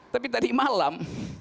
tapi tadi malam